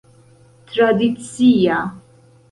tradicia